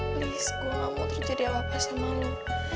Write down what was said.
please gue gak mau terjadi apa apa sama lo